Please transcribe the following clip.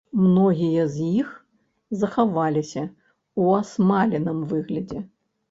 Многія з іх захаваліся ў асмаленым выглядзе.